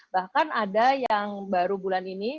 bahkan ada yang baru bulan ini